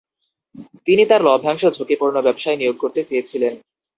তিনি তার লভ্যাংশ ঝুঁকিপূর্ণ ব্যবসায় নিয়োগ করতে চেয়েছিলেন।